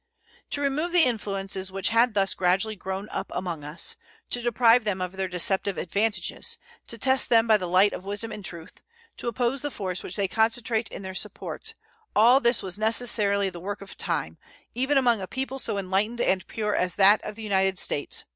To remove the influences which had thus gradually grown up among us, to deprive them of their deceptive advantages, to test them by the light of wisdom and truth, to oppose the force which they concentrate in their sup port all this was necessarily the work of time, even among a people so enlightened and pure as that of the United States.